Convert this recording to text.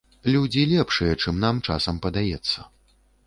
Людзі лепшыя, чым нам часам падаецца.